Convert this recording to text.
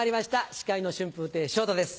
司会の春風亭昇太です。